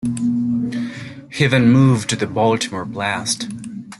He then moved to the Baltimore Blast.